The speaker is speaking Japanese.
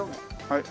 はい。